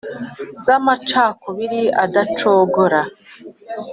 z’amacakubiri adacogora